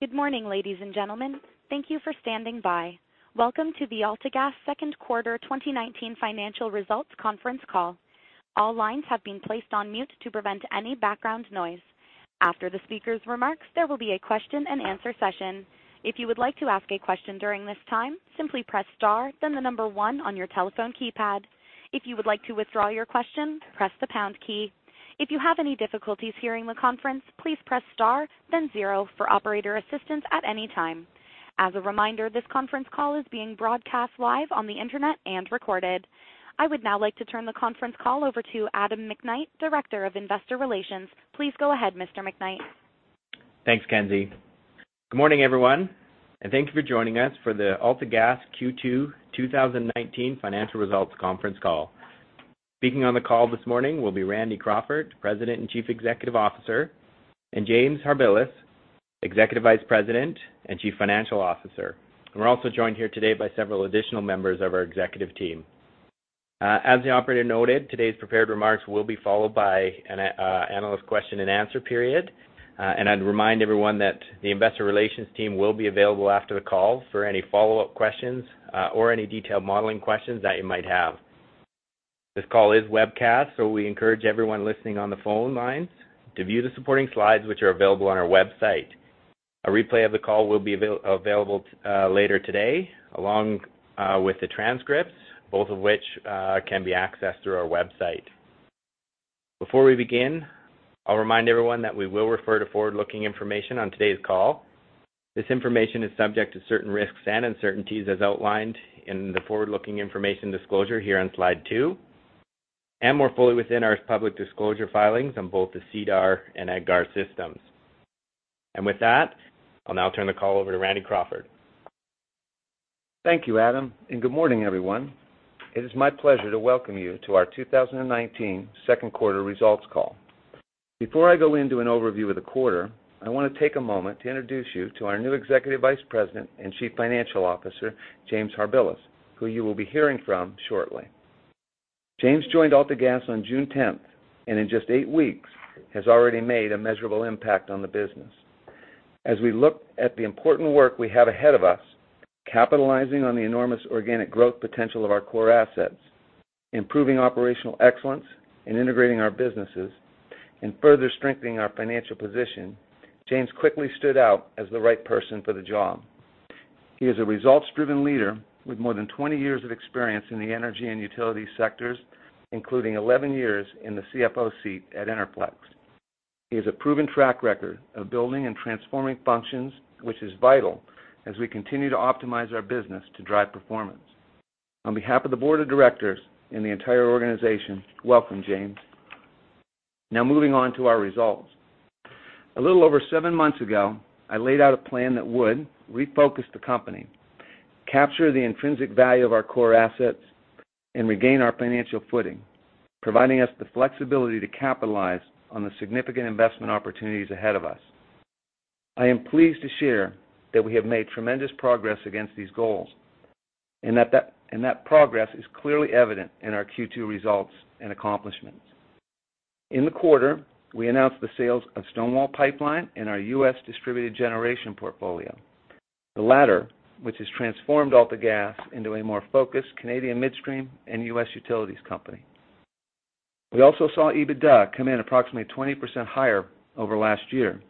Good morning, ladies and gentlemen. Thank you for standing by. Welcome to the AltaGas Second Quarter 2019 Financial Results Conference Call. All lines have been placed on mute to prevent any background noise. After the speaker's remarks, there will be a question and answer session. If you would like to ask a question during this time, simply press star then the number one on your telephone keypad. If you would like to withdraw your question, press the pound key. If you have any difficulties hearing the conference, please press star then zero for operator assistance at any time. As a reminder, this conference call is being broadcast live on the internet and recorded. I would now like to turn the conference call over to Adam McKnight, Director, Investor Relations. Please go ahead, Mr. McKnight. Thanks, Kenzy. Good morning, everyone, and thank you for joining us for the AltaGas Q2 2019 Financial Results Conference Call. Speaking on the call this morning will be Randy Crawford, President and Chief Executive Officer, and James Harbilas, Executive Vice President and Chief Financial Officer. We're also joined here today by several additional members of our executive team. As the operator noted, today's prepared remarks will be followed by an analyst question and answer period. I'd remind everyone that the investor relations team will be available after the call for any follow-up questions or any detailed modeling questions that you might have. This call is webcast, so we encourage everyone listening on the phone lines to view the supporting slides, which are available on our website. A replay of the call will be available later today, along with the transcripts, both of which can be accessed through our website. Before we begin, I'll remind everyone that we will refer to forward-looking information on today's call. This information is subject to certain risks and uncertainties as outlined in the forward-looking information disclosure here on slide two, and more fully within our public disclosure filings on both the SEDAR and EDGAR systems. With that, I'll now turn the call over to Randy Crawford. Thank you, Adam, and good morning, everyone. It is my pleasure to welcome you to our 2019 second quarter results call. Before I go into an overview of the quarter, I want to take a moment to introduce you to our new Executive Vice President and Chief Financial Officer, James Harbilas, who you will be hearing from shortly. James joined AltaGas on June 10th, and in just eight weeks has already made a measurable impact on the business. As we look at the important work we have ahead of us, capitalizing on the enormous organic growth potential of our core assets, improving operational excellence in integrating our businesses, and further strengthening our financial position, James quickly stood out as the right person for the job. He is a results-driven leader with more than 20 years of experience in the energy and utility sectors, including 11 years in the CFO seat at Enerflex. He has a proven track record of building and transforming functions, which is vital as we continue to optimize our business to drive performance. On behalf of the board of directors and the entire organization, welcome, James. Moving on to our results. A little over seven months ago, I laid out a plan that would refocus the company, capture the intrinsic value of our core assets, and regain our financial footing, providing us the flexibility to capitalize on the significant investment opportunities ahead of us. I am pleased to share that we have made tremendous progress against these goals and that progress is clearly evident in our Q2 results and accomplishments. In the quarter, we announced the sales of Stonewall Pipeline and our U.S. distributed generation portfolio, the latter, which has transformed AltaGas into a more focused Canadian midstream and U.S. utilities company. We also saw EBITDA come in approximately 20% higher over last year.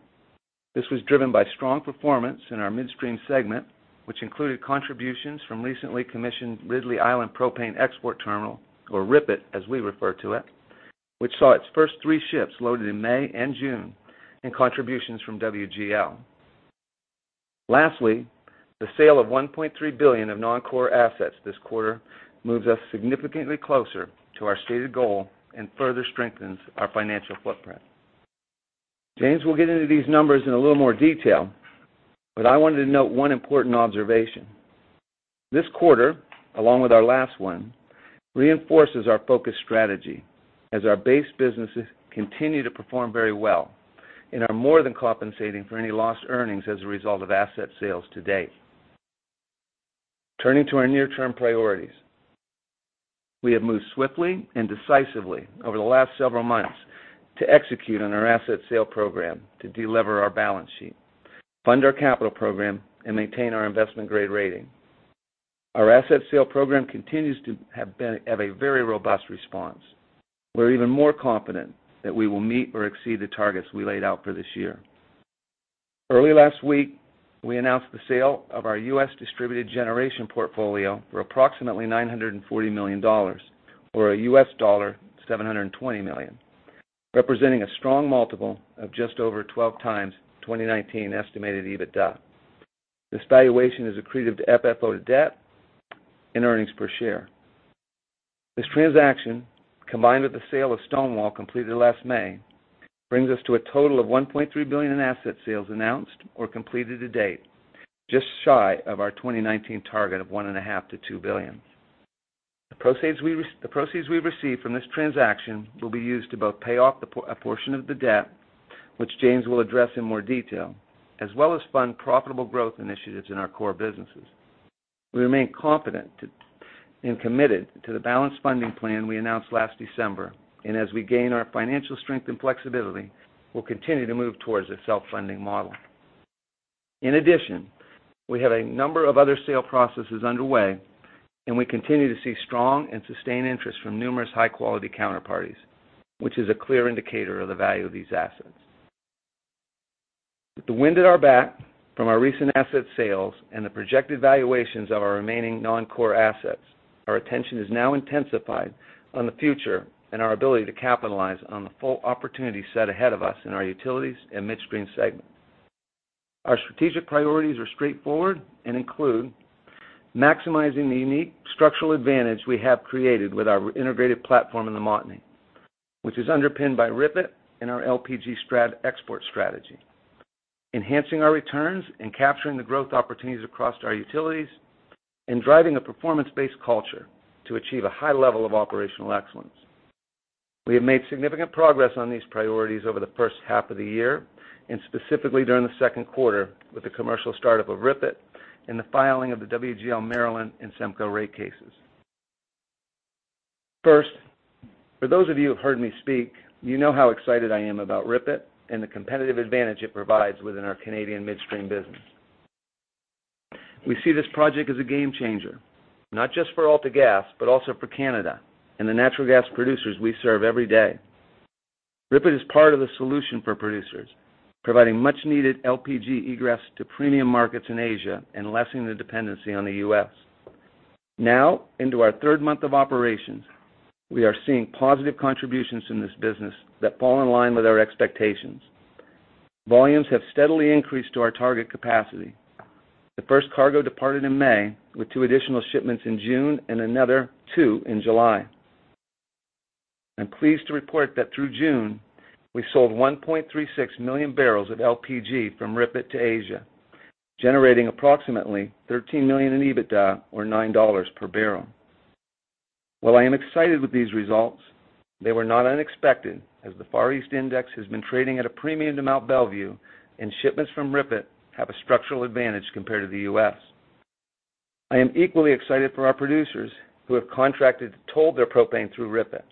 This was driven by strong performance in our midstream segment, which included contributions from recently commissioned Ridley Island Propane Export Terminal, or RIPET as we refer to it, which saw its first three ships loaded in May and June, and contributions from WGL. The sale of 1.3 billion of non-core assets this quarter moves us significantly closer to our stated goal and further strengthens our financial footprint. James will get into these numbers in a little more detail, but I wanted to note one important observation. This quarter, along with our last one, reinforces our focus strategy as our base businesses continue to perform very well and are more than compensating for any lost earnings as a result of asset sales to date. Turning to our near-term priorities, we have moved swiftly and decisively over the last several months to execute on our asset sale program to delever our balance sheet, fund our capital program, and maintain our investment-grade rating. Our asset sale program continues to have a very robust response. We're even more confident that we will meet or exceed the targets we laid out for this year. Early last week, we announced the sale of our U.S. distributed generation portfolio for approximately 940 million dollars, or a $720 million, representing a strong multiple of just over 12x 2019 estimated EBITDA. This valuation is accretive to FFO to debt and earnings per share. This transaction, combined with the sale of Stonewall completed last May, brings us to a total of 1.3 billion in asset sales announced or completed to date, just shy of our 2019 target of one and a half billion to 2 billion. The proceeds we received from this transaction will be used to both pay off a portion of the debt, which James will address in more detail, as well as fund profitable growth initiatives in our core businesses. We remain confident and committed to the balanced funding plan we announced last December. As we gain our financial strength and flexibility, we'll continue to move towards a self-funding model. In addition, we have a number of other sale processes underway. We continue to see strong and sustained interest from numerous high-quality counterparties, which is a clear indicator of the value of these assets. With the wind at our back from our recent asset sales and the projected valuations of our remaining non-core assets, our attention is now intensified on the future and our ability to capitalize on the full opportunity set ahead of us in our utilities and midstream segment. Our strategic priorities are straightforward and include maximizing the unique structural advantage we have created with our integrated platform in the Montney, which is underpinned by RIPET and our LPG export strategy, enhancing our returns and capturing the growth opportunities across our utilities, and driving a performance-based culture to achieve a high level of operational excellence. We have made significant progress on these priorities over the first half of the year and specifically during the second quarter with the commercial startup of RIPET and the filing of the WGL Maryland and SEMCO rate cases. First, for those of you who've heard me speak, you know how excited I am about RIPET and the competitive advantage it provides within our Canadian midstream business. We see this project as a game-changer, not just for AltaGas, but also for Canada and the natural gas producers we serve every day. RIPET is part of the solution for producers, providing much-needed LPG egress to premium markets in Asia and lessening the dependency on the U.S. Now, into our third month of operations, we are seeing positive contributions from this business that fall in line with our expectations. Volumes have steadily increased to our target capacity. The first cargo departed in May, with two additional shipments in June and another two in July. I'm pleased to report that through June, we sold 1.36 million barrels of LPG from RIPET to Asia, generating approximately 13 million in EBITDA or 9 dollars per barrel. While I am excited with these results, they were not unexpected, as the Far East Index has been trading at a premium to Mont Belvieu and shipments from RIPET have a structural advantage compared to the U.S. I am equally excited for our producers who have contracted to toll their propane through RIPET,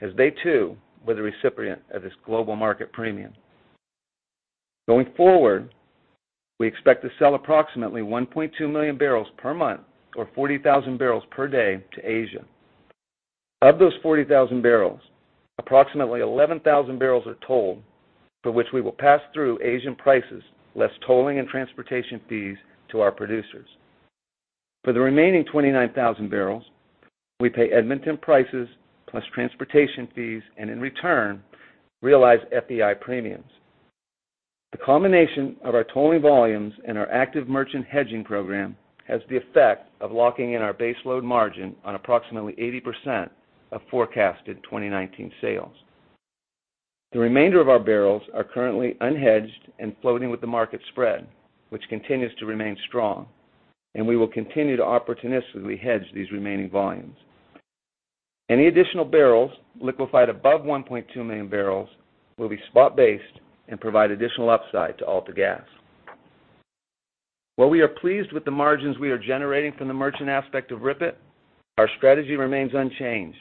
as they too were the recipient of this global market premium. Going forward, we expect to sell approximately 1.2 million barrels per month or 40,000 barrels per day to Asia. Of those 40,000 barrels, approximately 11,000 barrels are tolled, for which we will pass through Asian prices, less tolling and transportation fees to our producers. For the remaining 29,000 barrels, we pay Edmonton prices plus transportation fees, and in return, realize FEI premiums. The combination of our tolling volumes and our active merchant hedging program has the effect of locking in our base load margin on approximately 80% of forecasted 2019 sales. The remainder of our barrels are currently unhedged and floating with the market spread, which continues to remain strong, and we will continue to opportunistically hedge these remaining volumes. Any additional barrels liquified above 1.2 million barrels will be spot-based and provide additional upside to AltaGas. While we are pleased with the margins we are generating from the merchant aspect of RIPET, our strategy remains unchanged.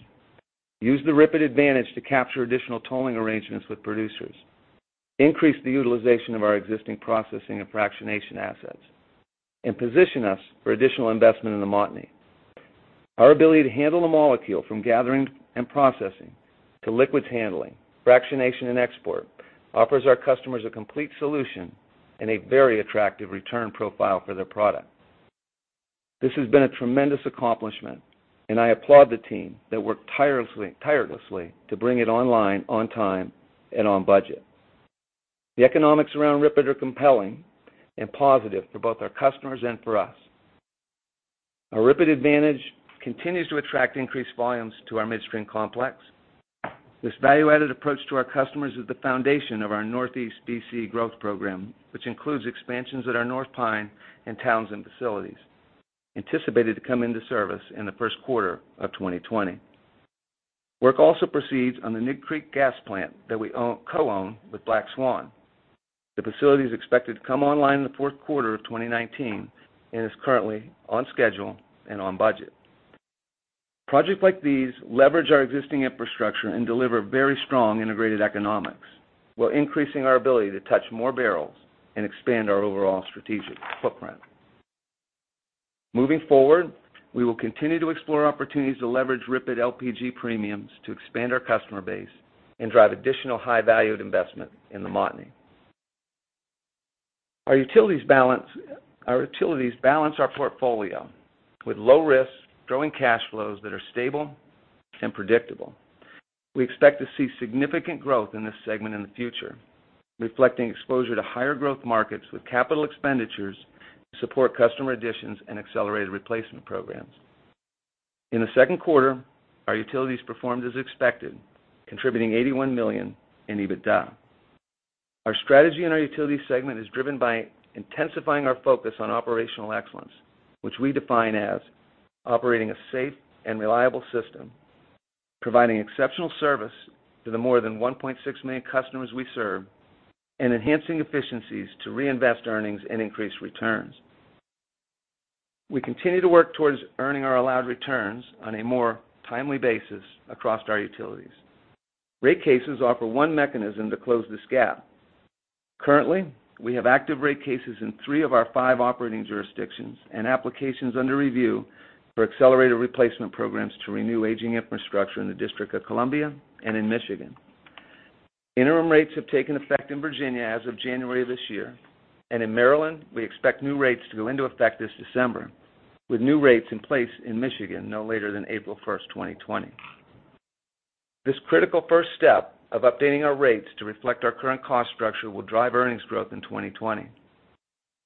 Use the RIPET advantage to capture additional tolling arrangements with producers, increase the utilization of our existing processing and fractionation assets, and position us for additional investment in the Montney. Our ability to handle the molecule from gathering and processing to liquids handling, fractionation, and export offers our customers a complete solution and a very attractive return profile for their product. This has been a tremendous accomplishment, and I applaud the team that worked tirelessly to bring it online on time and on budget. The economics around RIPET are compelling and positive for both our customers and for us. Our RIPET advantage continues to attract increased volumes to our midstream complex. This value-added approach to our customers is the foundation of our Northeast B.C. growth program, which includes expansions at our North Pine and Townsend facilities, anticipated to come into service in the first quarter of 2020. Work also proceeds on the Nig Creek gas plant that we co-own with Black Swan. The facility is expected to come online in the fourth quarter of 2019 and is currently on schedule and on budget. Projects like these leverage our existing infrastructure and deliver very strong integrated economics while increasing our ability to touch more barrels and expand our overall strategic footprint. Moving forward, we will continue to explore opportunities to leverage RIPET LPG premiums to expand our customer base and drive additional high-valued investment in the Montney. Our utilities balance our portfolio with low risk, growing cash flows that are stable and predictable. We expect to see significant growth in this segment in the future, reflecting exposure to higher growth markets with capital expenditures to support customer additions and accelerated replacement programs. In the second quarter, our utilities performed as expected, contributing 81 million in EBITDA. Our strategy in our Utilities segment is driven by intensifying our focus on operational excellence, which we define as operating a safe and reliable system, providing exceptional service to the more than 1.6 million customers we serve, and enhancing efficiencies to reinvest earnings and increase returns. We continue to work towards earning our allowed returns on a more timely basis across our utilities. Rate cases offer one mechanism to close this gap. Currently, we have active rate cases in three of our five operating jurisdictions, and applications under review for Accelerated Replacement Programs to renew aging infrastructure in the District of Columbia and in Michigan. Interim rates have taken effect in Virginia as of January this year. In Maryland, we expect new rates to go into effect this December, with new rates in place in Michigan no later than April 1st, 2020. This critical first step of updating our rates to reflect our current cost structure will drive earnings growth in 2020.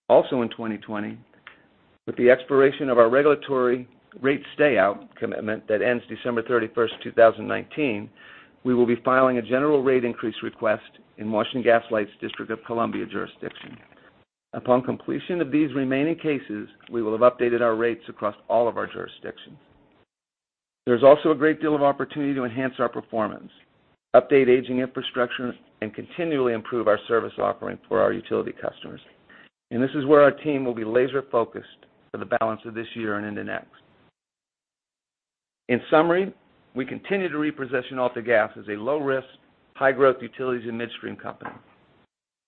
Also in 2020, with the expiration of our regulatory rate stay out commitment that ends December 31st, 2019, we will be filing a general rate increase request in Washington Gas Light's District of Columbia jurisdiction. Upon completion of these remaining cases, we will have updated our rates across all of our jurisdictions. There's also a great deal of opportunity to enhance our performance, update aging infrastructure, and continually improve our service offering for our utility customers. This is where our team will be laser-focused for the balance of this year and into next. In summary, we continue to reposition AltaGas as a low-risk, high-growth utilities and midstream company.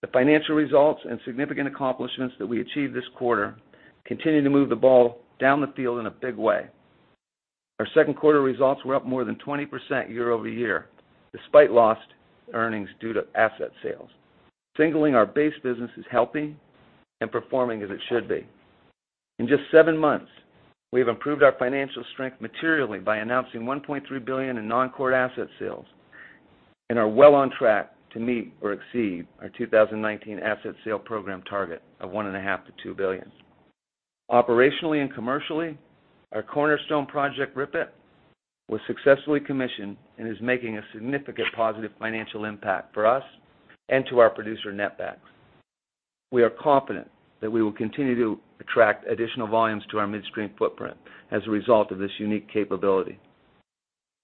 The financial results and significant accomplishments that we achieved this quarter continue to move the ball down the field in a big way. Our second quarter results were up more than 20% year-over-year, despite lost earnings due to asset sales. Signaling our base business is healthy and performing as it should be. In just seven months, we have improved our financial strength materially by announcing 1.3 billion in non-core asset sales, and are well on track to meet or exceed our 2019 asset sale program target of 1.5 billion-2 billion. Operationally and commercially, our cornerstone project, RIPET, was successfully commissioned and is making a significant positive financial impact for us and to our producer, netback. We are confident that we will continue to attract additional volumes to our midstream footprint as a result of this unique capability.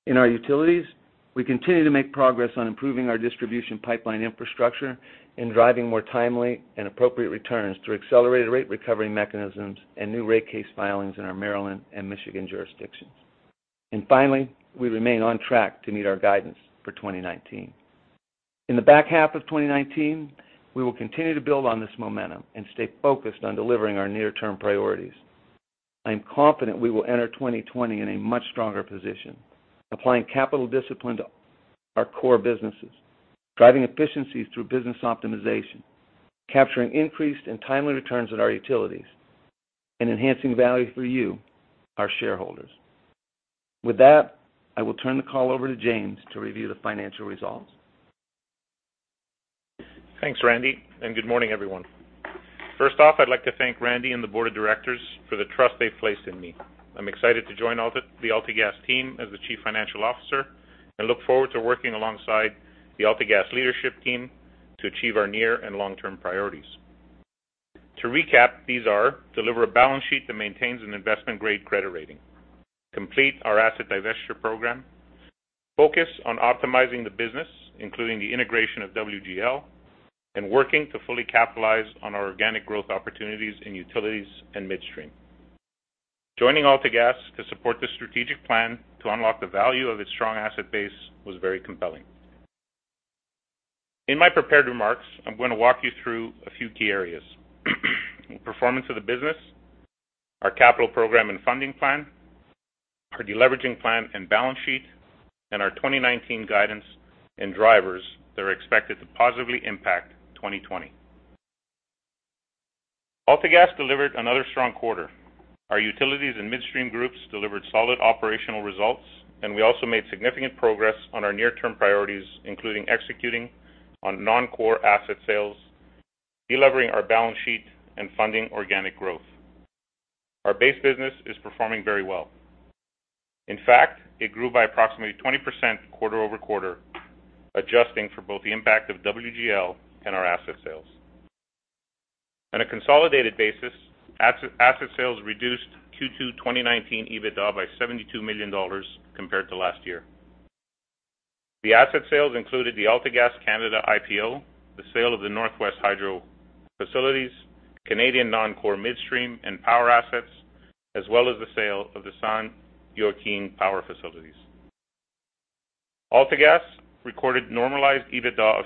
In our utilities, we continue to make progress on improving our distribution pipeline infrastructure and driving more timely and appropriate returns through accelerated rate recovery mechanisms and new rate case filings in our Maryland and Michigan jurisdictions. Finally, we remain on track to meet our guidance for 2019. In the back half of 2019, we will continue to build on this momentum and stay focused on delivering our near-term priorities. I am confident we will enter 2020 in a much stronger position, applying capital discipline to our core businesses, driving efficiencies through business optimization, capturing increased and timely returns at our utilities, and enhancing value for you, our shareholders. With that, I will turn the call over to James to review the financial results. Thanks, Randy, and good morning, everyone. First off, I'd like to thank Randy and the board of directors for the trust they've placed in me. I'm excited to join the AltaGas team as the Chief Financial Officer, and look forward to working alongside the AltaGas leadership team to achieve our near and long-term priorities. To recap, these are deliver a balance sheet that maintains an investment-grade credit rating, complete our asset divestiture program, focus on optimizing the business, including the integration of WGL, and working to fully capitalize on our organic growth opportunities in utilities and midstream. Joining AltaGas to support the strategic plan to unlock the value of its strong asset base was very compelling. In my prepared remarks, I'm going to walk you through a few key areas. Performance of the business, our capital program and funding plan, our de-leveraging plan and balance sheet, and our 2019 guidance and drivers that are expected to positively impact 2020. AltaGas delivered another strong quarter. Our utilities and midstream groups delivered solid operational results, and we also made significant progress on our near-term priorities, including executing on non-core asset sales, de-levering our balance sheet, and funding organic growth. Our base business is performing very well. In fact, it grew by approximately 20% quarter-over-quarter, adjusting for both the impact of WGL and our asset sales. On a consolidated basis, asset sales reduced Q2 2019 EBITDA by 72 million dollars compared to last year. The asset sales included the AltaGas Canada IPO, the sale of the Northwest Hydro facilities, Canadian non-core midstream and power assets, as well as the sale of the San Joaquin power facilities. AltaGas recorded normalized EBITDA of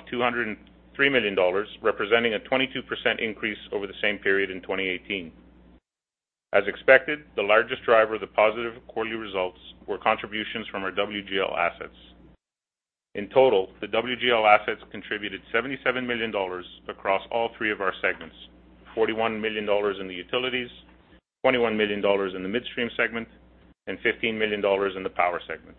203 million dollars, representing a 22% increase over the same period in 2018. As expected, the largest driver of the positive quarterly results were contributions from our WGL assets. In total, the WGL assets contributed 77 million dollars across all three of our segments, 41 million dollars in the utilities, 21 million dollars in the midstream segment, and 15 million dollars in the power segment.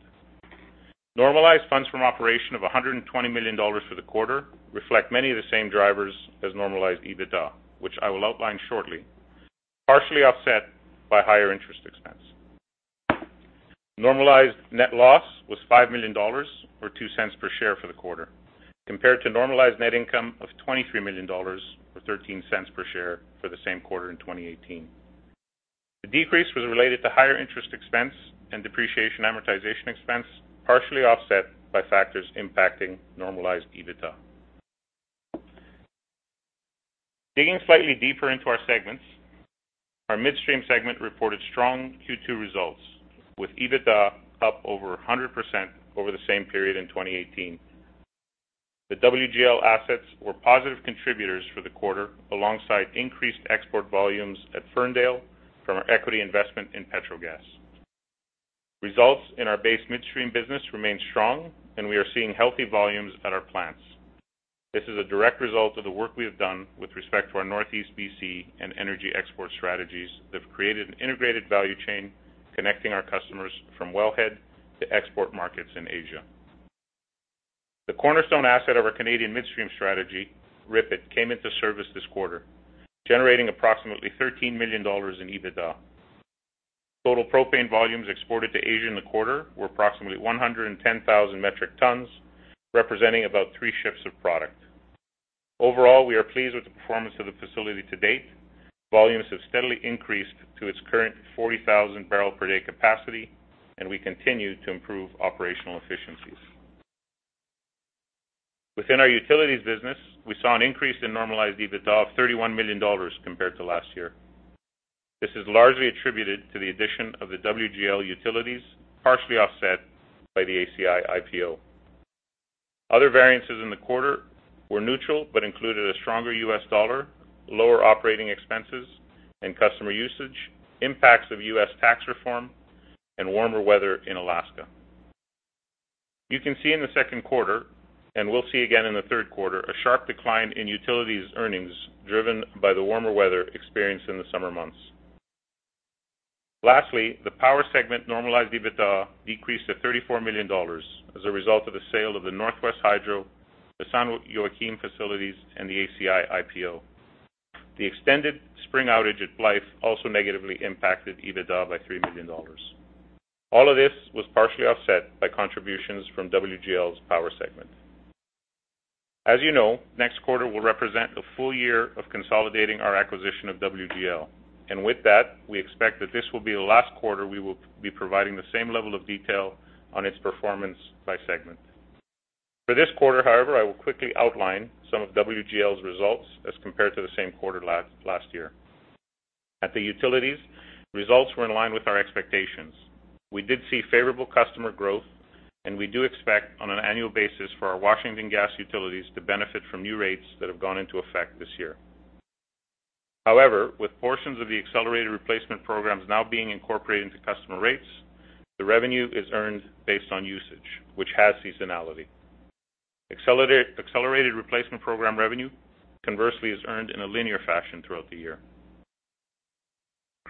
Normalized funds from operation of 120 million dollars for the quarter reflect many of the same drivers as normalized EBITDA, which I will outline shortly, partially offset by higher interest expense. Normalized net loss was 5 million dollars, or 0.02 per share for the quarter, compared to normalized net income of 23 million dollars, or 0.13 per share for the same quarter in 2018. The decrease was related to higher interest expense and depreciation amortization expense, partially offset by factors impacting normalized EBITDA. Digging slightly deeper into our segments, our midstream segment reported strong Q2 results, with EBITDA up over 100% over the same period in 2018. The WGL assets were positive contributors for the quarter, alongside increased export volumes at Ferndale from our equity investment in Petrogas. Results in our base midstream business remain strong, we are seeing healthy volumes at our plants. This is a direct result of the work we have done with respect to our Northeast B.C. and energy export strategies that have created an integrated value chain connecting our customers from wellhead to export markets in Asia. The cornerstone asset of our Canadian midstream strategy, RIPET, came into service this quarter, generating approximately 13 million dollars in EBITDA. Total propane volumes exported to Asia in the quarter were approximately 110,000 metric tons, representing about three ships of product. Overall, we are pleased with the performance of the facility to date. Volumes have steadily increased to its current 40,000 barrel per day capacity, and we continue to improve operational efficiencies. Within our utilities business, we saw an increase in normalized EBITDA of 31 million dollars compared to last year. This is largely attributed to the addition of the WGL utilities, partially offset by the ACI IPO. Other variances in the quarter were neutral but included a stronger U.S. dollar, lower operating expenses and customer usage, impacts of U.S. tax reform, and warmer weather in Alaska. You can see in the second quarter, and will see again in the third quarter, a sharp decline in utilities earnings driven by the warmer weather experienced in the summer months. The Power segment normalized EBITDA decreased to 34 million dollars as a result of the sale of the Northwest Hydro, the San Joaquin facilities, and the ACI IPO. The extended spring outage at Blythe also negatively impacted EBITDA by 3 million dollars. All of this was partially offset by contributions from WGL's Power segment. With that, we expect that this will be the last quarter we will be providing the same level of detail on its performance by segment. For this quarter, however, I will quickly outline some of WGL's results as compared to the same quarter last year. At the utilities, results were in line with our expectations. We did see favorable customer growth, and we do expect on an annual basis for our Washington Gas utilities to benefit from new rates that have gone into effect this year. However, with portions of the accelerated replacement programs now being incorporated into customer rates, the revenue is earned based on usage, which has seasonality. Accelerated replacement program revenue, conversely, is earned in a linear fashion throughout the year.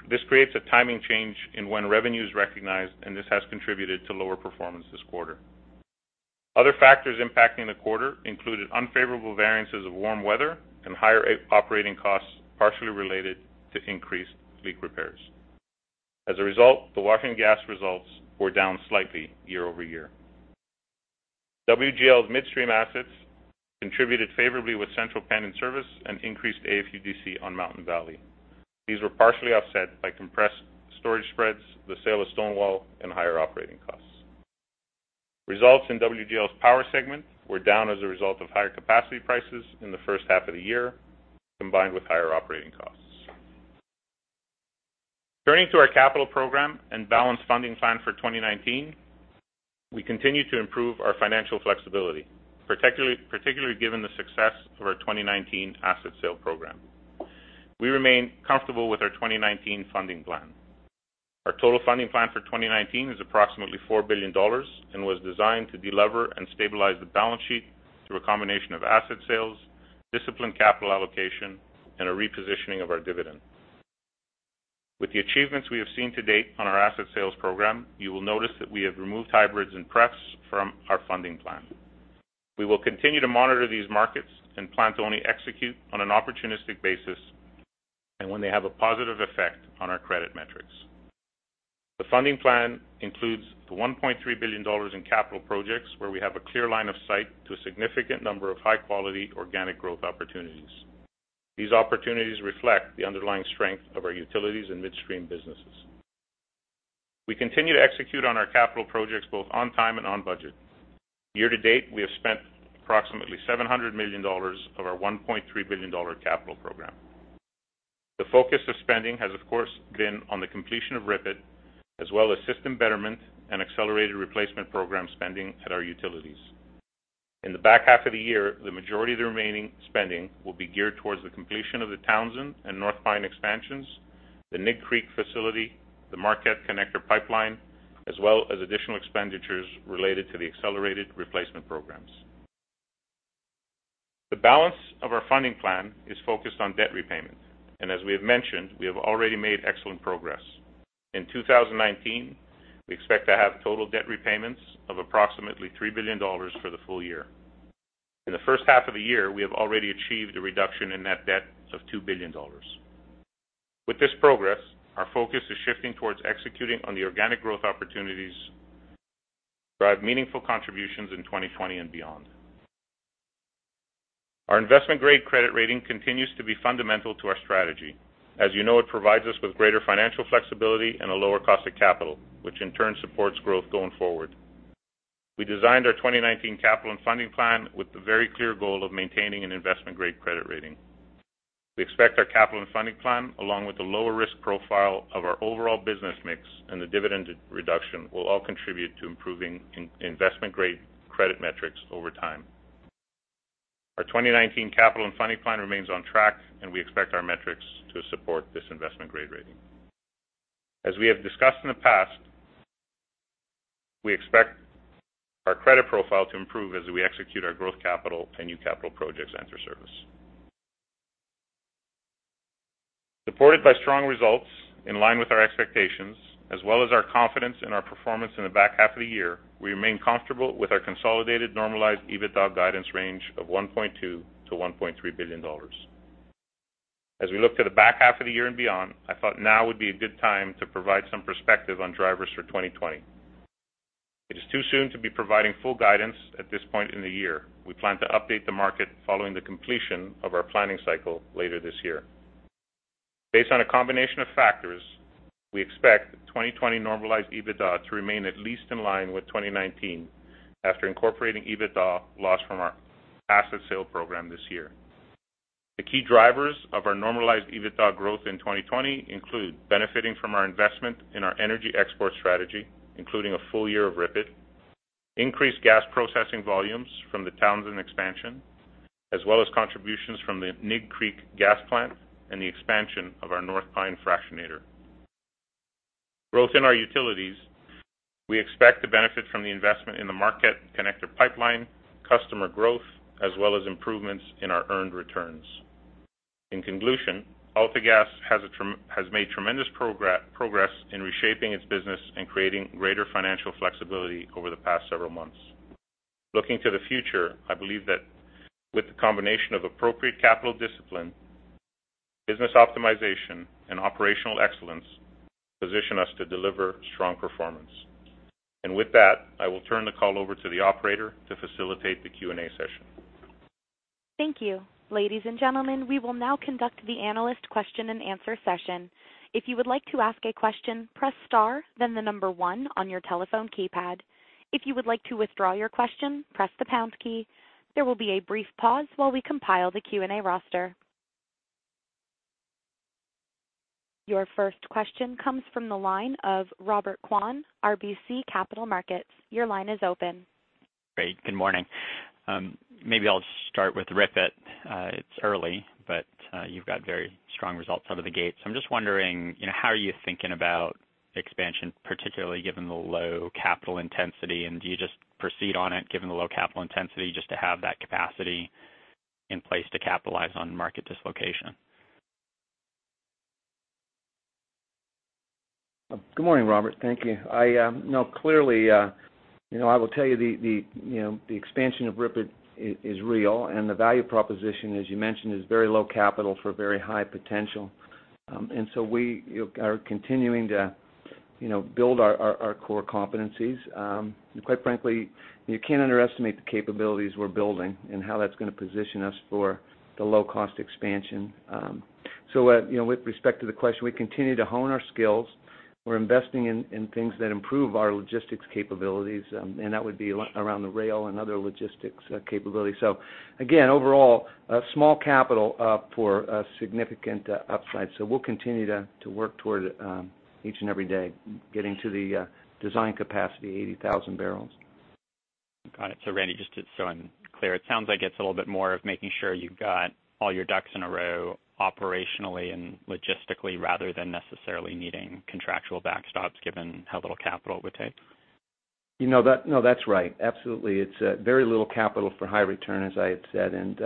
This creates a timing change in when revenue is recognized, and this has contributed to lower performance this quarter. Other factors impacting the quarter included unfavorable variances of warm weather and higher operating costs, partially related to increased leak repairs. As a result, the Washington Gas results were down slightly year-over-year. WGL's midstream assets contributed favorably with Central Penn in service and increased AFUDC on Mountain Valley. These were partially offset by compressed storage spreads, the sale of Stonewall, and higher operating costs. Results in WGL's power segment were down as a result of higher capacity prices in the first half of the year, combined with higher operating costs. Turning to our capital program and balanced funding plan for 2019, we continue to improve our financial flexibility, particularly given the success of our 2019 asset sale program. We remain comfortable with our 2019 funding plan. Our total funding plan for 2019 is approximately 4 billion dollars and was designed to delever and stabilize the balance sheet through a combination of asset sales, disciplined capital allocation, and a repositioning of our dividend. With the achievements we have seen to date on our asset sales program, you will notice that we have removed hybrids and prefs from our funding plan. We will continue to monitor these markets and plan to only execute on an opportunistic basis and when they have a positive effect on our credit metrics. The funding plan includes the 1.3 billion dollars in capital projects where we have a clear line of sight to a significant number of high-quality, organic growth opportunities. These opportunities reflect the underlying strength of our utilities and midstream businesses. We continue to execute on our capital projects both on time and on budget. Year to date, we have spent approximately 700 million dollars of our 1.3 billion dollar capital program. The focus of spending has, of course, been on the completion of RIPET, as well as system betterment and accelerated replacement program spending at our utilities. In the back half of the year, the majority of the remaining spending will be geared towards the completion of the Townsend and North Pine expansions, the Nig Creek facility, the Marquette Connector Pipeline, as well as additional expenditures related to the accelerated replacement programs. The balance of our funding plan is focused on debt repayment. As we have mentioned, we have already made excellent progress. In 2019, we expect to have total debt repayments of approximately 3 billion dollars for the full year. In the first half of the year, we have already achieved a reduction in net debt of 2 billion dollars. With this progress, our focus is shifting towards executing on the organic growth opportunities that drive meaningful contributions in 2020 and beyond. Our investment-grade credit rating continues to be fundamental to our strategy. As you know, it provides us with greater financial flexibility and a lower cost of capital, which in turn supports growth going forward. We designed our 2019 capital and funding plan with the very clear goal of maintaining an investment-grade credit rating. We expect our capital and funding plan, along with the lower risk profile of our overall business mix and the dividend reduction, will all contribute to improving investment-grade credit metrics over time. Our 2019 capital and funding plan remains on track, and we expect our metrics to support this investment-grade rating. As we have discussed in the past, we expect our credit profile to improve as we execute our growth capital and new capital projects enter service. Supported by strong results in line with our expectations, as well as our confidence in our performance in the back half of the year, we remain comfortable with our consolidated normalized EBITDA guidance range of 1.2 billion-1.3 billion dollars. We look to the back half of the year and beyond, I thought now would be a good time to provide some perspective on drivers for 2020. It is too soon to be providing full guidance at this point in the year. We plan to update the market following the completion of our planning cycle later this year. Based on a combination of factors, we expect 2020 normalized EBITDA to remain at least in line with 2019 after incorporating EBITDA loss from our asset sale program this year. The key drivers of our normalized EBITDA growth in 2020 include benefiting from our investment in our energy export strategy, including a full year of RIPET, increased gas processing volumes from the Townsend expansion, as well as contributions from the Nig Creek gas plant and the expansion of our North Pine fractionator. Growth in our utilities, we expect the benefit from the investment in the Marquette Connector Pipeline, customer growth, as well as improvements in our earned returns. In conclusion, AltaGas has made tremendous progress in reshaping its business and creating greater financial flexibility over the past several months. Looking to the future, I believe that with the combination of appropriate capital discipline, business optimization, and operational excellence, position us to deliver strong performance. With that, I will turn the call over to the operator to facilitate the Q&A session. Thank you. Ladies and gentlemen, we will now conduct the analyst question-and-answer session. If you would like to ask a question, press star, then the number 1 on your telephone keypad. If you would like to withdraw your question, press the pound key. There will be a brief pause while we compile the Q&A roster. Your first question comes from the line of Robert Kwan, RBC Capital Markets. Your line is open. Great. Good morning. Maybe I'll start with RIPET. It's early, but you've got very strong results out of the gate. I'm just wondering, how are you thinking about expansion, particularly given the low capital intensity? Do you just proceed on it given the low capital intensity, just to have that capacity in place to capitalize on market dislocation? Good morning, Robert. Thank you. Clearly, I will tell you the expansion of RIPET is real, the value proposition, as you mentioned, is very low capital for very high potential. We are continuing to build our core competencies. Quite frankly, you can't underestimate the capabilities we're building and how that's going to position us for the low-cost expansion. With respect to the question, we continue to hone our skills. We're investing in things that improve our logistics capabilities, and that would be around the rail and other logistics capabilities. Again, overall, small capital for a significant upside. We'll continue to work toward it each and every day, getting to the design capacity, 80,000 barrels. Got it. Randy, just so I'm clear, it sounds like it's a little bit more of making sure you've got all your ducks in a row operationally and logistically rather than necessarily needing contractual backstops, given how little capital it would take. No, that's right. Absolutely. It's very little capital for high return, as I had said, and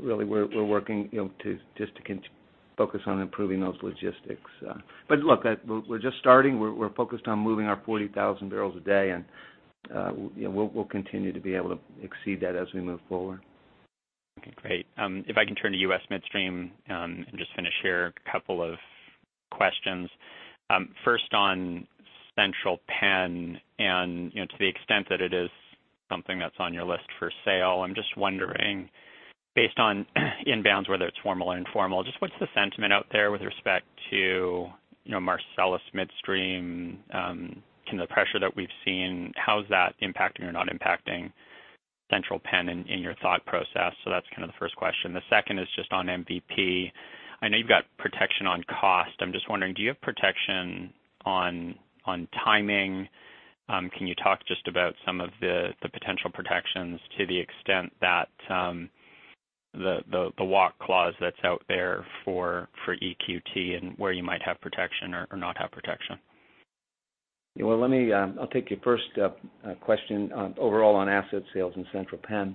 really we're working just to focus on improving those logistics. Look, we're just starting. We're focused on moving our 40,000 barrels a day, and we'll continue to be able to exceed that as we move forward. Okay, great. If I can turn to U.S. Midstream and just finish here, a couple of questions. First on Central Penn, to the extent that it is something that's on your list for sale, I'm just wondering, based on inbounds, whether it's formal or informal, just what's the sentiment out there with respect to Marcellus Midstream? The pressure that we've seen, how is that impacting or not impacting Central Penn in your thought process? That's the first question. The second is just on MVP. I know you've got protection on cost. I'm just wondering, do you have protection on timing? Can you talk just about some of the potential protections to the extent that the walk clause that's out there for EQT and where you might have protection or not have protection? I'll take your first question overall on asset sales in Central Penn.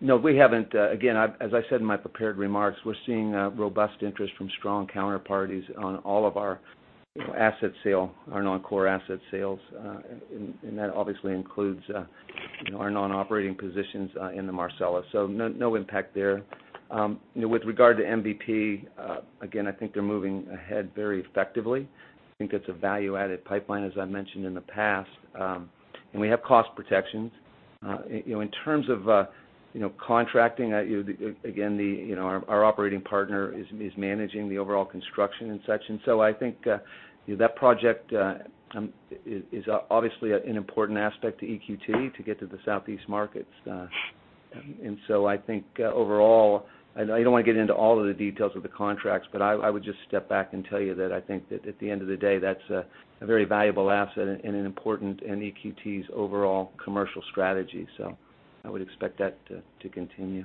No, we haven't. Again, as I said in my prepared remarks, we're seeing robust interest from strong counterparties on all of our non-core asset sales, and that obviously includes our non-operating positions in the Marcellus. No impact there. With regard to MVP, again, I think they're moving ahead very effectively. I think it's a value-added pipeline, as I mentioned in the past. We have cost protections In terms of contracting, again, our operating partner is managing the overall construction and such. I think that project is obviously an important aspect to EQT to get to the Southeast markets. I think overall, I don't want to get into all of the details of the contracts, but I would just step back and tell you that I think that at the end of the day, that's a very valuable asset and an important in EQT's overall commercial strategy. I would expect that to continue.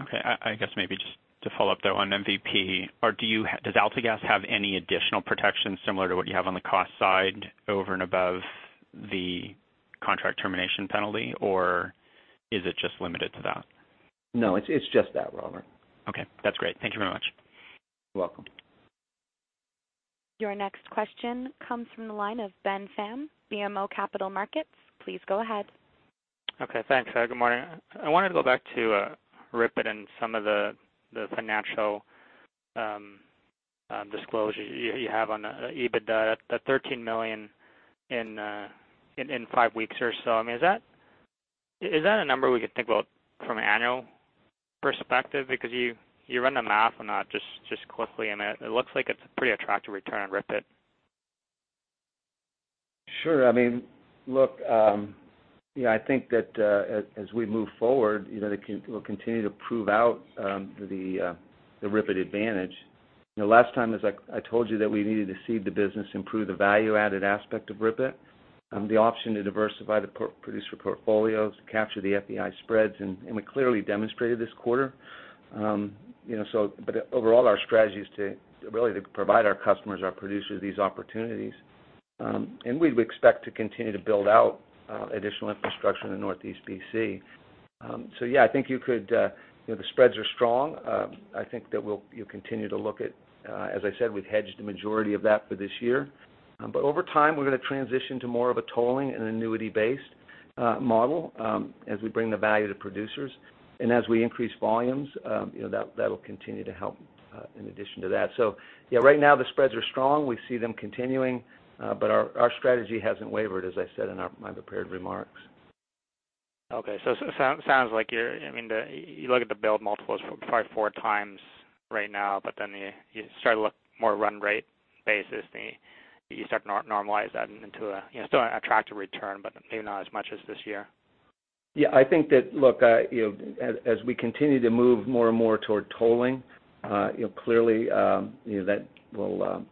Okay. I guess maybe just to follow up, though, on MVP. Does AltaGas have any additional protection similar to what you have on the cost side over and above the contract termination penalty, or is it just limited to that? No, it's just that, Robert. Okay, that's great. Thank you very much. You're welcome. Your next question comes from the line of Ben Pham, BMO Capital Markets. Please go ahead. Okay, thanks. Good morning. I wanted to go back to RIPET and some of the financial disclosure you have on the EBITDA, the 13 million in five weeks or so. Is that a number we could think about from annual perspective? You run the math on that just quickly, and it looks like it's a pretty attractive return on RIPET. Sure. Look, I think that as we move forward, we'll continue to prove out the RIPET advantage. Last time, as I told you, that we needed to seed the business, improve the value-added aspect of RIPET, the option to diversify the producer portfolios, capture the FEI spreads, and we clearly demonstrated this quarter. Overall, our strategy is really to provide our customers, our producers, these opportunities. We'd expect to continue to build out additional infrastructure in the Northeast BC. Yeah, the spreads are strong. I think that you'll continue to, as I said, we've hedged the majority of that for this year. Over time, we're going to transition to more of a tolling and annuity-based model as we bring the value to producers. As we increase volumes, that'll continue to help in addition to that. Right now, the spreads are strong. We see them continuing, but our strategy hasn't wavered, as I said in my prepared remarks. Sounds like you look at the build multiples probably 4x right now, you start to look more run rate basis, you start to normalize that into a still attractive return, maybe not as much as this year. Yeah, I think that, look, as we continue to move more and more toward tolling, clearly, that will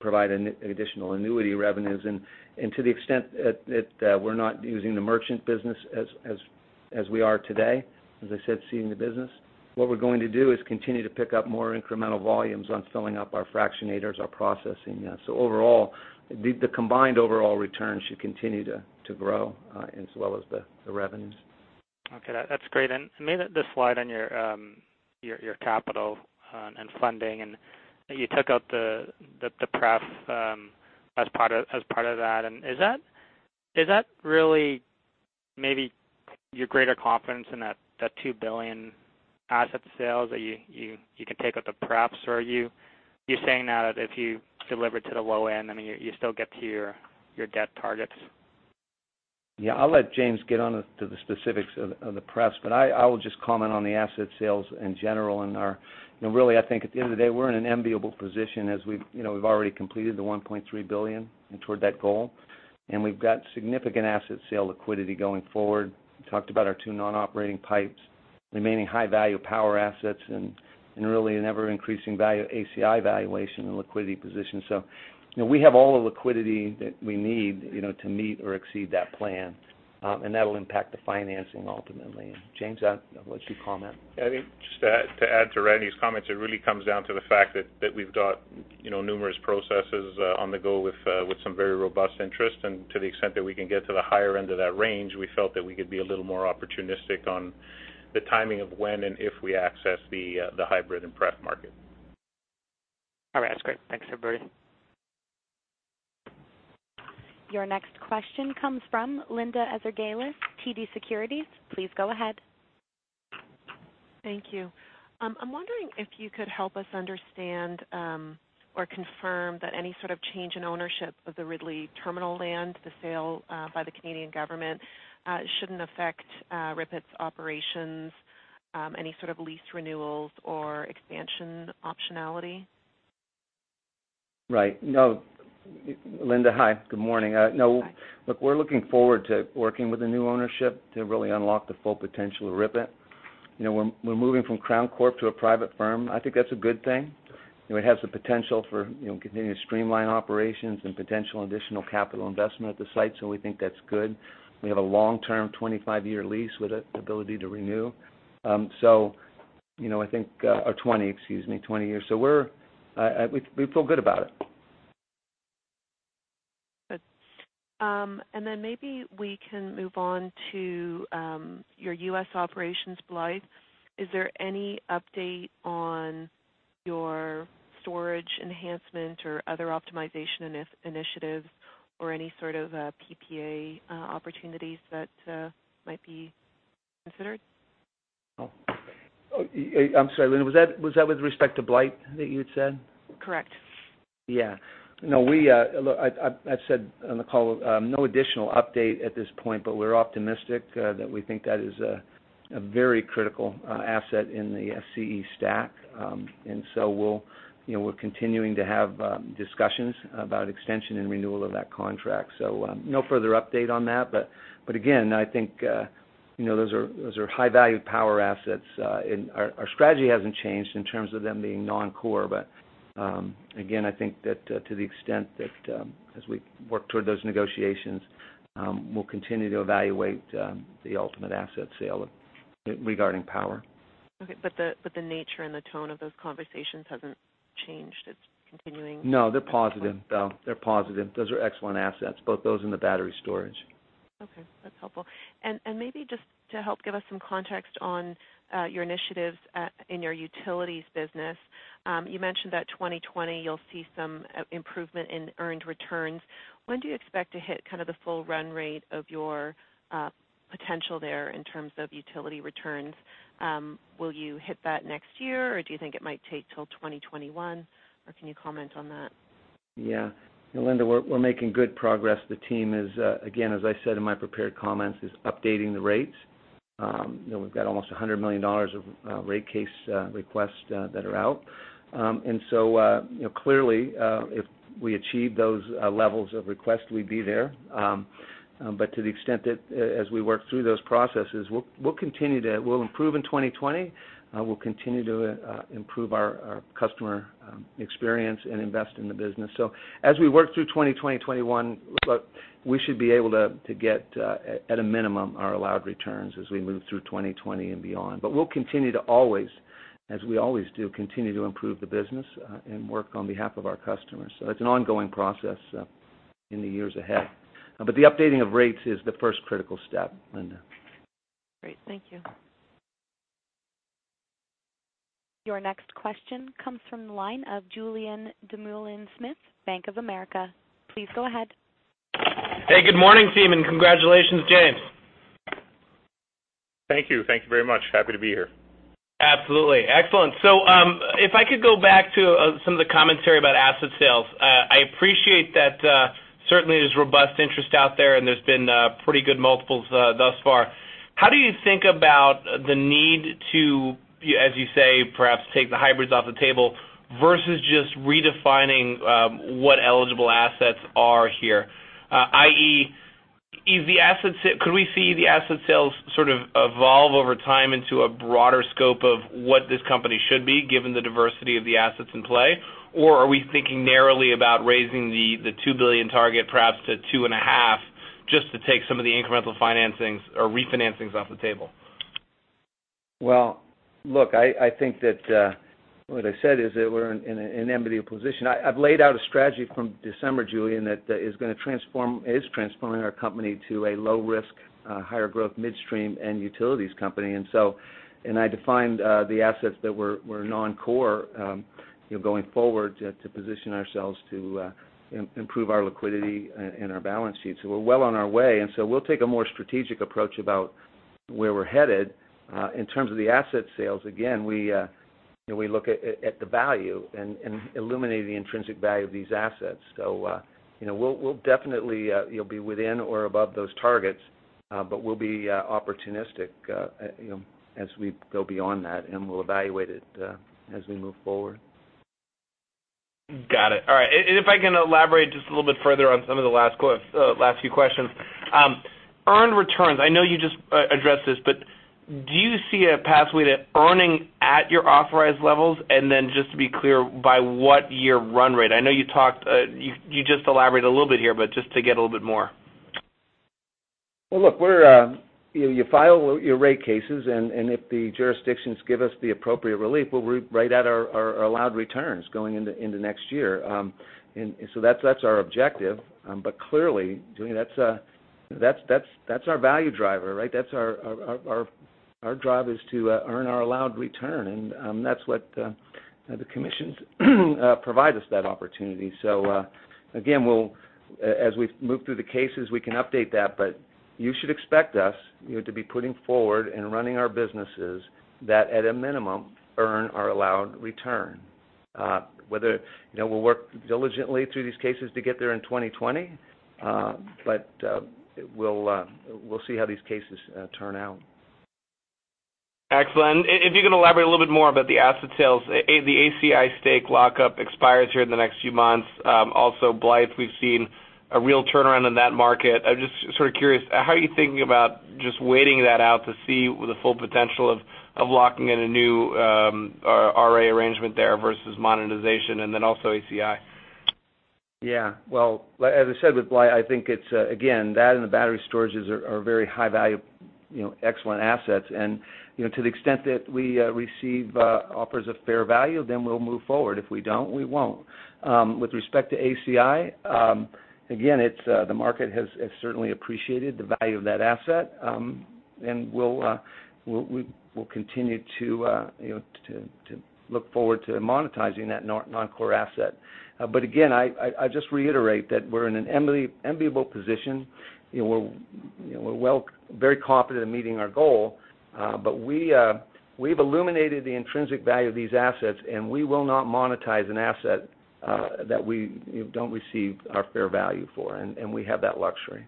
provide additional annuity revenues. To the extent that we're not using the merchant business as we are today, as I said, seeding the business, what we're going to do is continue to pick up more incremental volumes on filling up our fractionators, our processing. Overall, the combined overall return should continue to grow as well as the revenues. Okay, that's great. Maybe the slide on your capital and funding, and you took out the pref as part of that. Is that really maybe your greater confidence in that 2 billion asset sales that you can take out the pref, or are you saying now that if you deliver to the low end, you still get to your debt targets? Yeah, I'll let James get on to the specifics of the pref, but I will just comment on the asset sales in general and really, I think at the end of the day, we're in an enviable position as we've already completed the 1.3 billion toward that goal, and we've got significant asset sale liquidity going forward. We talked about our two non-operating pipes, remaining high-value power assets, and really an ever-increasing value ACI valuation and liquidity position. We have all the liquidity that we need to meet or exceed that plan, and that'll impact the financing ultimately. James, I'll let you comment. I think just to add to Randy's comments, it really comes down to the fact that we've got numerous processes on the go with some very robust interest. To the extent that we can get to the higher end of that range, we felt that we could be a little more opportunistic on the timing of when and if we access the hybrid and pref market. All right. That's great. Thanks, everybody. Your next question comes from Linda Ezergailis, TD Securities. Please go ahead. Thank you. I'm wondering if you could help us understand or confirm that any sort of change in ownership of the Ridley Terminal land, the sale by the Canadian government, shouldn't affect RIPET's operations, any sort of lease renewals or expansion optionality. Right. No. Linda, hi. Good morning. Hi. We're looking forward to working with the new ownership to really unlock the full potential of RIPET. We're moving from Crown Corporation to a private firm. I think that's a good thing. It has the potential for continuing to streamline operations and potential additional capital investment at the site. We think that's good. We have a long-term 25-year lease with the ability to renew. 20, excuse me, 20 years. We feel good about it. Good. Maybe we can move on to your U.S. operations, Ben Pham. Is there any update on your storage enhancement or other optimization initiatives or any sort of PPA opportunities that might be considered? Oh, I'm sorry, Linda, was that with respect to Blythe that you had said? Correct. No, I've said on the call, no additional update at this point, but we're optimistic that we think that is a very critical asset in the SCE stack. We're continuing to have discussions about extension and renewal of that contract. No further update on that, but again, I think those are high-value power assets. Our strategy hasn't changed in terms of them being non-core. Again, I think that to the extent that as we work toward those negotiations, we'll continue to evaluate the ultimate asset sale regarding power. Okay. The nature and the tone of those conversations hasn't changed. It's continuing? No, they're positive, though. They're positive. Those are excellent assets, both those and the battery storage. Okay. That's helpful. Maybe just to help give us some context on your initiatives in your utilities business. You mentioned that 2020, you'll see some improvement in earned returns. When do you expect to hit kind of the full run rate of your potential there in terms of utility returns? Will you hit that next year, or do you think it might take till 2021? Can you comment on that? Linda, we're making good progress. The team is, again, as I said in my prepared comments, updating the rates. We've got almost 100 million dollars of rate case requests that are out. Clearly, if we achieve those levels of requests, we'd be there. To the extent that as we work through those processes, we'll improve in 2020. We'll continue to improve our customer experience and invest in the business. As we work through 2020, 2021, look, we should be able to get at a minimum our allowed returns as we move through 2020 and beyond. We'll continue to always, as we always do, improve the business and work on behalf of our customers. That's an ongoing process in the years ahead. The updating of rates is the first critical step, Linda. Great. Thank you. Your next question comes from the line of Julien Dumoulin-Smith, Bank of America. Please go ahead. Hey, good morning, team, and congratulations, James. Thank you. Thank you very much. Happy to be here. Absolutely. Excellent. If I could go back to some of the commentary about asset sales. I appreciate that certainly there's robust interest out there, and there's been pretty good multiples thus far. How do you think about the need to, as you say, perhaps take the hybrids off the table versus just redefining what eligible assets are here? I.e., could we see the asset sales sort of evolve over time into a broader scope of what this company should be, given the diversity of the assets in play? Or are we thinking narrowly about raising the 2 billion target perhaps to 2.5 billion, just to take some of the incremental financings or refinancings off the table? Well, look, I think that what I said is that we're in an enviable position. I've laid out a strategy from December, Julien, that is transforming our company to a low risk, higher growth midstream and utilities company. I defined the assets that were non-core going forward to position ourselves to improve our liquidity and our balance sheet. We're well on our way, and so we'll take a more strategic approach about where we're headed. In terms of the asset sales, again, we look at the value and illuminating the intrinsic value of these assets. We'll definitely be within or above those targets, but we'll be opportunistic as we go beyond that, and we'll evaluate it as we move forward. Got it. All right. If I can elaborate just a little bit further on some of the last few questions. Earned returns, I know you just addressed this, but do you see a pathway to earning at your authorized levels? Just to be clear, by what year run rate? I know you just elaborated a little bit here, but just to get a little bit more. Well, look, you file your rate cases, and if the jurisdictions give us the appropriate relief, we're right at our allowed returns going into next year. That's our objective. Clearly, Julien, that's our value driver, right? Our drive is to earn our allowed return, and that's what the commissions provide us that opportunity. Again, as we move through the cases, we can update that, but you should expect us to be putting forward and running our businesses that at a minimum earn our allowed return. We'll work diligently through these cases to get there in 2020. We'll see how these cases turn out. Excellent. If you could elaborate a little bit more about the asset sales. The ACI stake lockup expires here in the next few months. Also Blythe, we've seen a real turnaround in that market. I'm just sort of curious, how are you thinking about just waiting that out to see the full potential of locking in a new RA arrangement there versus monetization, and then also ACI? Yeah. Well, as I said with Blythe, I think it's, again, that and the battery storages are very high value, excellent assets. To the extent that we receive offers of fair value, then we'll move forward. If we don't, we won't. With respect to ACI, again, the market has certainly appreciated the value of that asset. We'll continue to look forward to monetizing that non-core asset. Again, I just reiterate that we're in an enviable position. We're very confident in meeting our goal. We've illuminated the intrinsic value of these assets, and we will not monetize an asset that we don't receive our fair value for, and we have that luxury.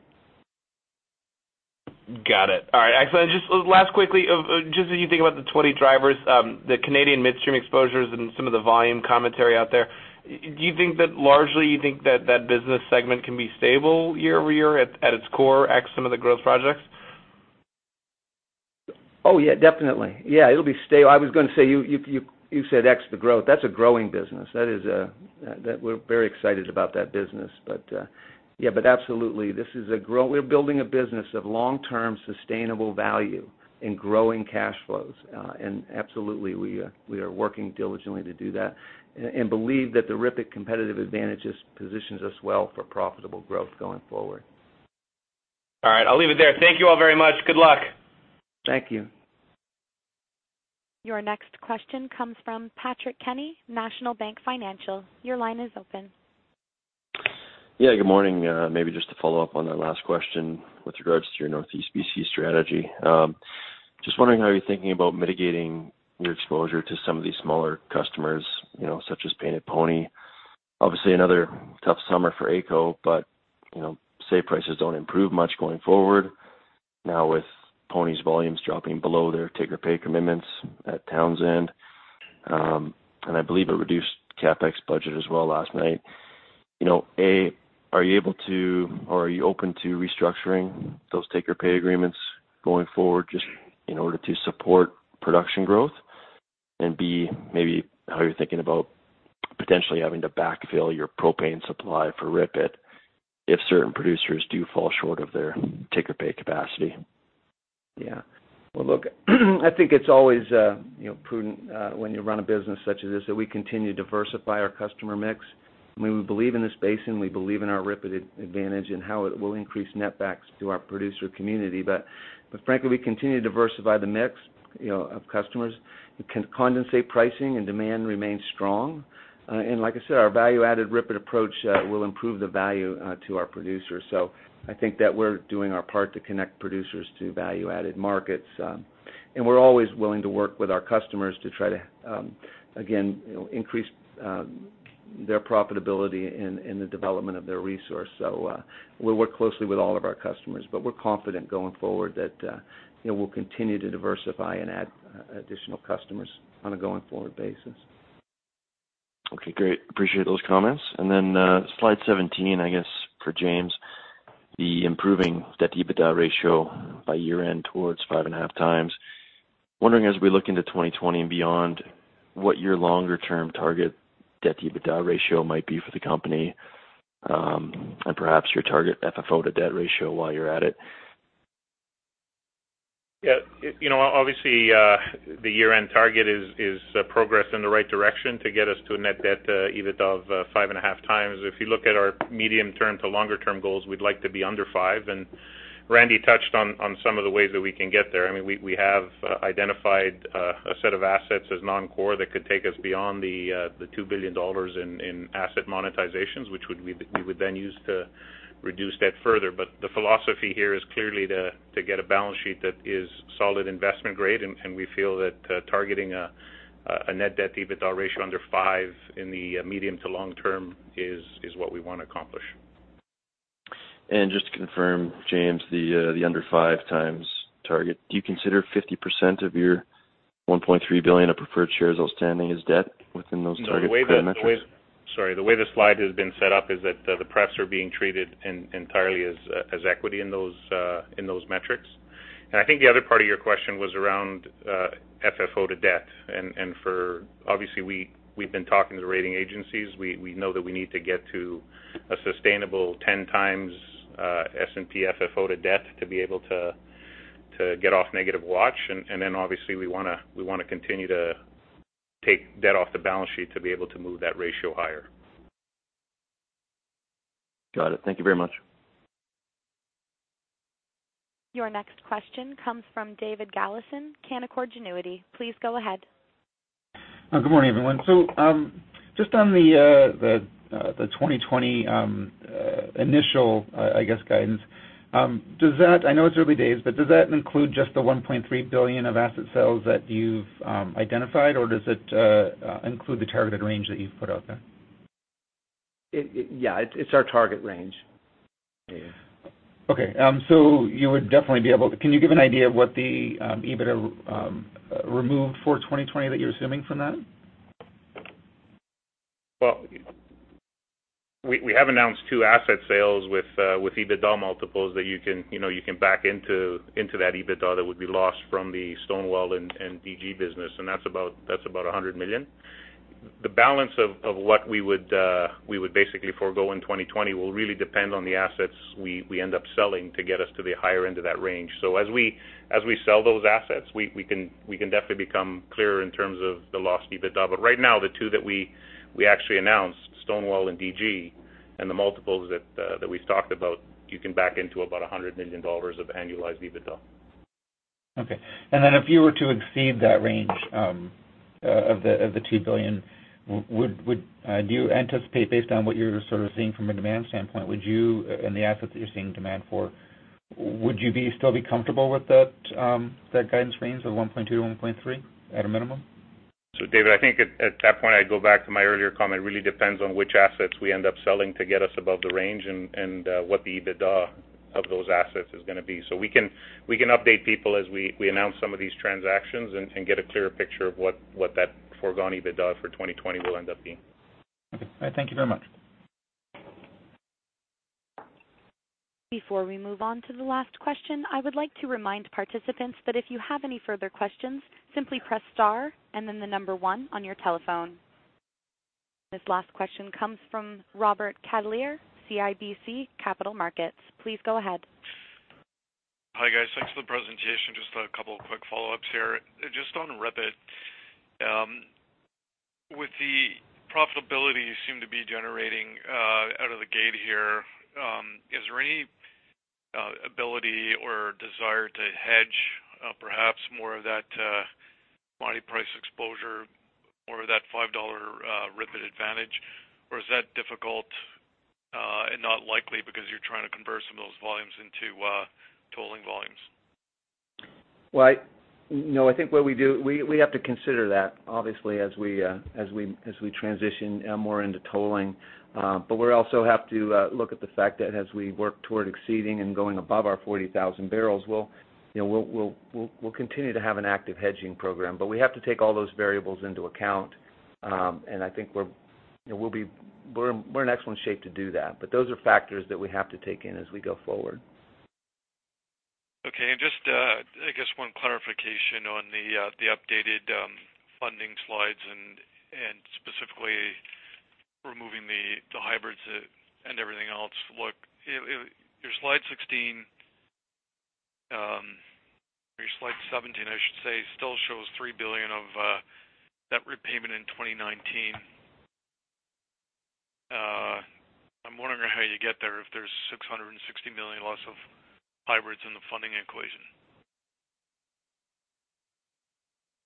Got it. All right. Excellent. Just last quickly, just as you think about the 20 drivers, the Canadian midstream exposures and some of the volume commentary out there, do you think that largely, you think that that business segment can be stable year-over-year at its core, ex some of the growth projects? Oh, yeah, definitely. Yeah. It'll be stable. I was going to say, you said ex the growth. That's a growing business. We're very excited about that business. Absolutely, we're building a business of long-term sustainable value and growing cash flows. Absolutely, we are working diligently to do that and believe that the RIPET competitive advantage positions us well for profitable growth going forward. All right. I'll leave it there. Thank you all very much. Good luck. Thank you. Your next question comes from Patrick Kenny, National Bank Financial. Your line is open. Yeah, good morning. Maybe just to follow up on that last question with regards to your Northeast BC strategy. Just wondering how you're thinking about mitigating your exposure to some of these smaller customers, such as Painted Pony. Obviously, another tough summer for AECO. Say, prices don't improve much going forward. Now with Pony's volumes dropping below their take-or-pay commitments at Townsend. I believe a reduced CapEx budget as well last night. A, are you able to, or are you open to restructuring those take-or-pay agreements going forward just in order to support production growth? B, maybe how you're thinking about potentially having to backfill your propane supply for RIPET if certain producers do fall short of their take-or-pay capacity. Yeah. Well, look, I think it's always prudent when you run a business such as this, that we continue to diversify our customer mix. I mean, we believe in this basin, we believe in our RIPET advantage and how it will increase netbacks to our producer community. Frankly, we continue to diversify the mix of customers. Condensate pricing and demand remain strong. Like I said, our value-added RIPET approach will improve the value to our producers. I think that we're doing our part to connect producers to value-added markets. We're always willing to work with our customers to try to, again, increase their profitability in the development of their resource. We'll work closely with all of our customers, but we're confident going forward that we'll continue to diversify and add additional customers on a going-forward basis. Okay, great. Appreciate those comments. Slide 17, I guess for James, the improving debt-to-EBITDA ratio by year-end towards five and a half times. Wondering as we look into 2020 and beyond, what your longer-term target debt-to-EBITDA ratio might be for the company? Perhaps your target FFO-to-debt ratio while you're at it. Yeah. Obviously, the year-end target is progress in the right direction to get us to a net debt-to-EBITDA of 5.5 times. If you look at our medium term to longer-term goals, we'd like to be under 5. Randy touched on some of the ways that we can get there. I mean, we have identified a set of assets as non-core that could take us beyond the 2 billion dollars in asset monetizations, which we would then use to reduce debt further. The philosophy here is clearly to get a balance sheet that is solid investment grade, and we feel that targeting a net debt-to-EBITDA ratio under 5 in the medium to long term is what we want to accomplish. Just to confirm, James, the under five times target, do you consider 50% of your 1.3 billion of preferred shares outstanding as debt within those target credit metrics? Sorry. The way the slide has been set up is that the prefs are being treated entirely as equity in those metrics. I think the other part of your question was around FFO to debt. Obviously we've been talking to the rating agencies. We know that we need to get to a sustainable 10 times S&P FFO to debt to be able to get off negative watch. Obviously we want to continue to take debt off the balance sheet to be able to move that ratio higher. Got it. Thank you very much. Your next question comes from David Galison, Canaccord Genuity. Please go ahead. Good morning, everyone. Just on the 2020 initial, I guess, guidance, I know it's early days, but does that include just the 1.3 billion of asset sales that you've identified, or does it include the targeted range that you've put out there? Yeah, it's our target range. Okay. Can you give an idea of what the EBITDA removed for 2020 that you're assuming from that? Well, we have announced two asset sales with EBITDA multiples that you can back into that EBITDA that would be lost from the Stonewall and DG business. That's about 100 million. The balance of what we would basically forego in 2020 will really depend on the assets we end up selling to get us to the higher end of that range. As we sell those assets, we can definitely become clearer in terms of the lost EBITDA. Right now, the two that we actually announced, Stonewall and DG, and the multiples that we've talked about, you can back into about 100 million dollars of annualized EBITDA. Okay. Then if you were to exceed that range of the 2 billion, do you anticipate, based on what you're sort of seeing from a demand standpoint and the assets that you're seeing demand for, would you still be comfortable with that guidance range of 1.2-1.3 at a minimum? David, I think at that point, I go back to my earlier comment. It really depends on which assets we end up selling to get us above the range and what the EBITDA of those assets is going to be. We can update people as we announce some of these transactions and get a clearer picture of what that foregone EBITDA for 2020 will end up being. Okay. All right. Thank you very much. Before we move on to the last question, I would like to remind participants that if you have any further questions, simply press star and then the number one on your telephone. This last question comes from Robert Catellier, CIBC Capital Markets. Please go ahead. Hi, guys. Thanks for the presentation. Just a couple of quick follow-ups here. Just on RIPET. With the profitability you seem to be generating out of the gate here, is there any ability or desire to hedge perhaps more of that commodity price exposure or that 5 dollar RIPET advantage? Is that difficult and not likely because you're trying to convert some of those volumes into tolling volumes? Well, no. We have to consider that, obviously, as we transition more into tolling. We also have to look at the fact that as we work toward exceeding and going above our 40,000 barrels, we'll continue to have an active hedging program. We have to take all those variables into account. I think we're in excellent shape to do that. Those are factors that we have to take in as we go forward. Okay. Just, I guess one clarification on the updated funding slides and specifically removing the hybrids and everything else. Your slide 16, or your slide 17, I should say, still shows 3 billion of debt repayment in 2019. I'm wondering how you get there if there's 660 million loss of hybrids in the funding equation.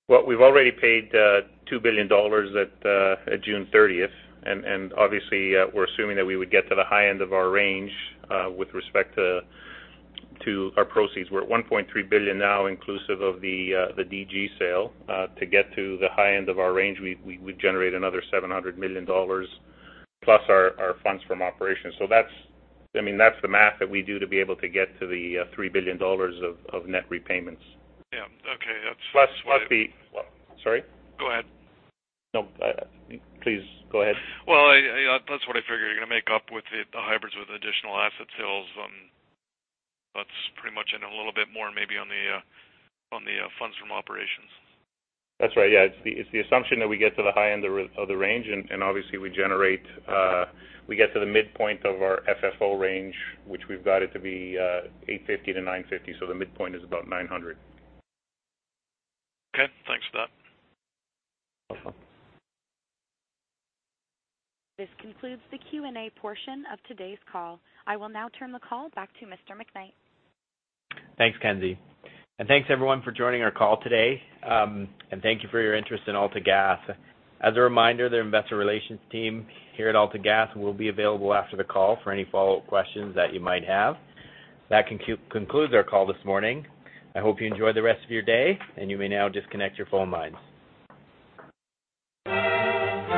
Well, we've already paid 2 billion dollars at June 30th. Obviously, we're assuming that we would get to the high end of our range with respect to our proceeds. We're at 1.3 billion now inclusive of the DG sale. To get to the high end of our range, we would generate another 700 million dollars, plus our funds from operations. That's the math that we do to be able to get to the 3 billion dollars of net repayments. Yeah. Okay. Sorry? Go ahead. No, please go ahead. Well, that's what I figured. You're going to make up with the hybrids with additional asset sales. That's pretty much it, and a little bit more maybe on the funds from operations. That's right, yeah. It's the assumption that we get to the high end of the range, and obviously, we get to the midpoint of our FFO range, which we've guided to be 850-950. The midpoint is about 900. Okay. Thanks for that. Welcome. This concludes the Q&A portion of today's call. I will now turn the call back to Mr. McKnight. Thanks, Kenzie. Thanks, everyone, for joining our call today. Thank you for your interest in AltaGas. As a reminder, the investor relations team here at AltaGas will be available after the call for any follow-up questions that you might have. That concludes our call this morning. I hope you enjoy the rest of your day, and you may now disconnect your phone lines.